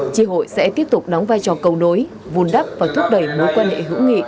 tri hội sẽ tiếp tục đóng vai trò cầu đối vùn đắp và thúc đẩy mối quan hệ hữu nghị